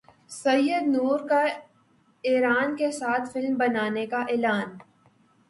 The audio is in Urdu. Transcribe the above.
سید نور کا ایران کے ساتھ فلم بنانے کا اعلان